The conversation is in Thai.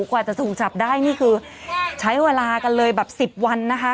กว่าจะถูกจับได้นี่คือใช้เวลากันเลยแบบสิบวันนะคะ